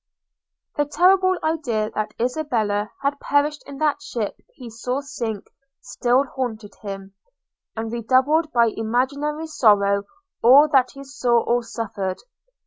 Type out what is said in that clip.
The terrible idea that Isabella had perished in that ship he saw sink still haunted him, and redoubled by imaginary sorrow all that he saw or suffered.